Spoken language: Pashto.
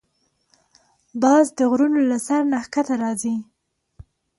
باز د غرونو له سر نه ښکته راځي